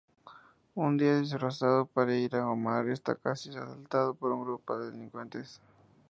Un día, disfrazado de Pereira, Omar está casi asaltado por un grupo de delincuentes.